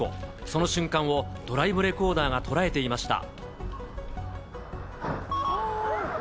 その瞬間をドライブレコーダーが捉えていました。